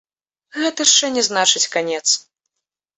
Гэта шчэ не значыць канец.